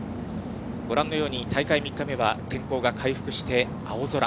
ご覧のように大会３日目は天候が回復して、青空。